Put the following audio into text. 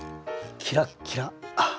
キラッキラ！